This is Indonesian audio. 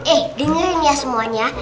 eh dengerin ya semuanya